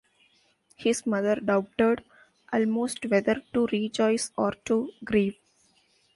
His mother doubted almost whether to rejoice or to grieve.